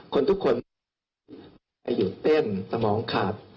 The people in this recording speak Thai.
คนทุกคนตื่นเต้นสมองขาด